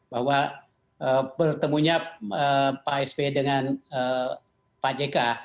bahwa pertemunya pak s p dengan pak j k